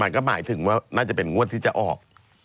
ก็หมายถึงว่าน่าจะเป็นงวดที่จะออก